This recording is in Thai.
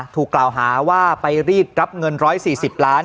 ถูกกล่าวหาว่าไปรีดรับเงิน๑๔๐ล้าน